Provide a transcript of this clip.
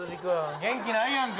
元気ないやんか。